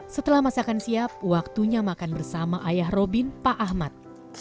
setelah masakan siap waktunya makan bersama ayah robin pak ahmad